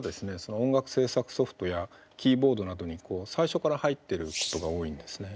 音楽制作ソフトやキーボードなどに最初から入ってることが多いんですね。